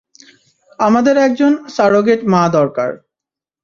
আমাদের একজন সারোগেট মা দরকার।